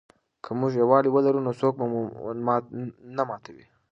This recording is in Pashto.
که موږ یووالي ولرو نو څوک مو نه ماتوي.